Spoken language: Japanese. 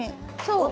そう。